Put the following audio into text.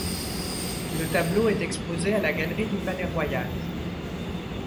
Le tableau est exposé à la galerie du Palais-Royal.